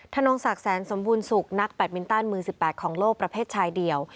นงศักดิ์แสนสมบูรณสุขนักแบตมินตันมือ๑๘ของโลกประเภทชายเดียว